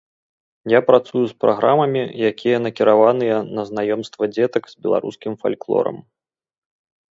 Я працую з праграмамі, якія накіраваныя на знаёмства дзетак з беларускім фальклорам.